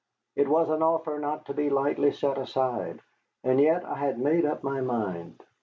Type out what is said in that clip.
It was an offer not to be lightly set aside, and yet I had made up my mind.